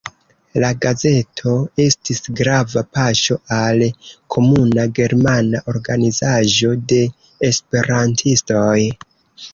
La gazeto estis grava paŝo al komuna germana organizaĵo de esperantistoj.